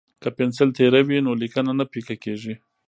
که پنسل تیره وي نو لیکنه نه پیکه کیږي.